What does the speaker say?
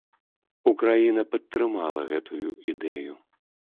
Украіна падтрымала гэтую ідэю.